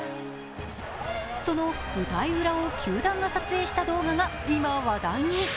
その舞台裏を球団が撮影した動画が今話題に。